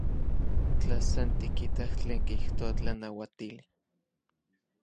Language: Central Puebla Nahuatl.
Tla san tikitaj tlen kijtoa tlanauatili.